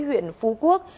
huyện phú quốc